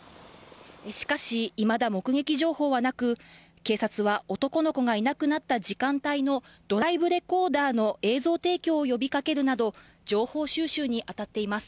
しかし、いまだ目撃情報はなく警察は、男の子がいなくなった時間帯のドライブレコーダーの映像提供を呼びかけるなど情報収集に当たっています。